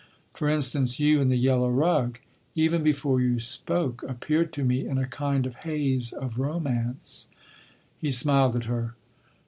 For instance, you and the yellow rug—even before you spoke, appeared to me in a kind of haze of romance—" He smiled at her.